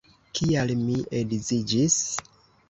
Kial mi edziĝis?